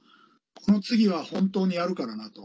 この次は本当にやるからなと。